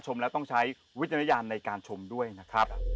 ชมแล้วต้องใช้วิจารณญาณในการชมด้วยนะครับ